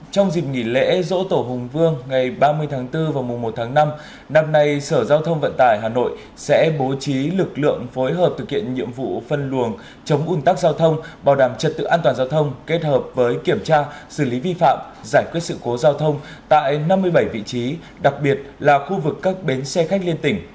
trong dịp nghỉ lễ dỗ tổ hùng vương ngày ba mươi tháng bốn và mùa một tháng năm năm nay sở giao thông vận tải hà nội sẽ bố trí lực lượng phối hợp thực hiện nhiệm vụ phân luồng chống ung tắc giao thông bảo đảm trật tự an toàn giao thông kết hợp với kiểm tra xử lý vi phạm giải quyết sự cố giao thông tại năm mươi bảy vị trí đặc biệt là khu vực các bến xe khách liên tỉnh